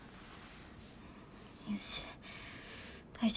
よし。